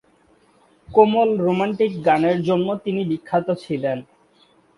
কোমল romantic গানের জন্য তিনি বিখ্যাত ছিলেন।